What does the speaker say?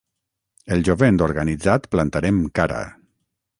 El jovent organitzat plantarem cara!